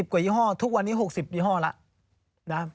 กว่ายี่ห้อทุกวันนี้๖๐ยี่ห้อแล้ว